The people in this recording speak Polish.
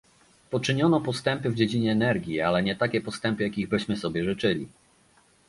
Poczyniono postępy w dziedzinie energii, ale nie takie postępy, jakich byśmy sobie życzyli